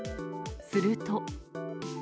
すると。